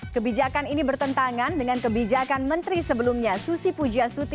kebijakan ini bertentangan dengan kebijakan menteri sebelumnya susi pujiastuti